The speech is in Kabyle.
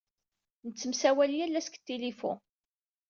Nettemsawal yal ass deg tilifu.